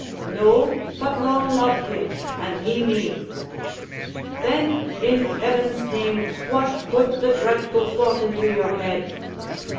"No, but long loved him; and he me." "Then, in heaven's name, what put the dreadful thought in your head?"